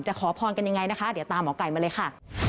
ขอพรกันยังไงนะคะเดี๋ยวตามหมอไก่มาเลยค่ะ